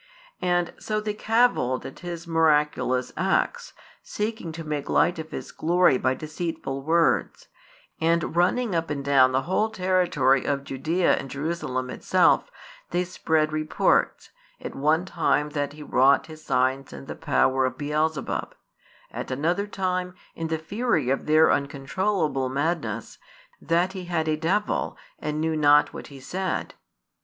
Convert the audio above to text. And so they cavilled at His miraculous acts, seeking to make light of His glory by deceitful words; and running up and down the whole territory of Judaea and Jerusalem itself, they spread reports, at one time that He wrought His signs in the power of Beelzebub; at another time, in the fury of their uncontrollable madness, that He had a devil and knew not what He said.